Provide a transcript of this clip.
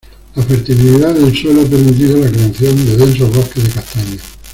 La fertilidad del suelo ha permitido la creación de densos bosques de castaños.